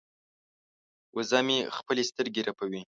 وزه مې خپلې سترګې رپوي.